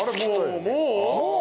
もう？